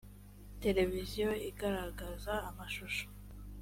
televiziyo igaragaza amashusho .